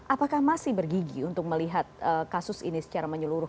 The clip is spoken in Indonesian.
apakah masih bergigi untuk melihat kasus ini secara menyeluruh